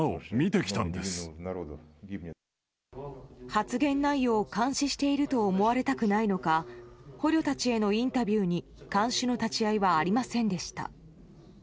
発言内容を監視していると思われたくないのか捕虜たちへのインタビューに看守の立ち合いはありませんでした。